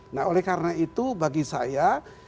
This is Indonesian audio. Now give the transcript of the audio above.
nah oleh karena itu bagi saya